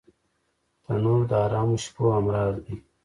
تنور د ارامو شپو همراز دی